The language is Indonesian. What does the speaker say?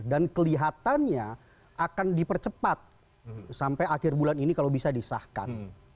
dan kelihatannya akan dipercepat sampai akhir bulan ini kalau bisa disahkan